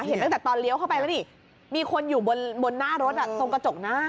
เห็นตั้งแต่ตอนเลี้ยวเข้าไปแล้วนี่มีคนอยู่บนหน้ารถตรงกระจกหน้า